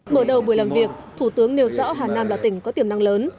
mở đầu buổi làm việc thủ tướng nêu rõ hà nam là tỉnh có tiềm năng lớn